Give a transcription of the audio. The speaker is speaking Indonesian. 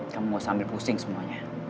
kamu gak usah ambil pusing semuanya